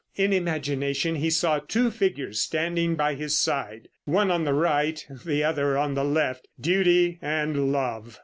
In imagination he saw two figures standing by his side; one on the right, the other on the left. Duty and Love.